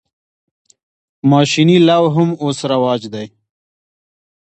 ماشیني لو هم اوس رواج دی.